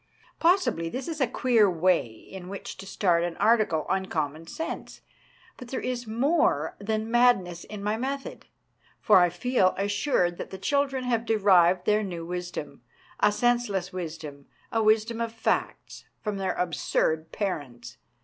Possibly this is a queer way in which to start an article on common sense, but there is more than madness in my method, for I feel assured that the children have derived their new wisdom a senseless wisdom, a wisdom of facts from their absurd parents.